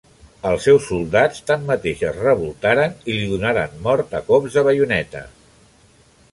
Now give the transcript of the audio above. Els seus soldats tanmateix es revoltaren i li donaren mort a cops de baioneta.